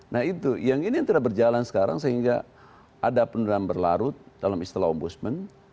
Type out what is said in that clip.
nah itu yang ini yang tidak berjalan sekarang sehingga ada penerangan berlarut dalam istilah ombudsman